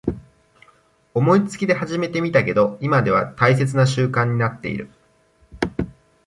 思いつきで始めてみたけど今では大切な習慣になってる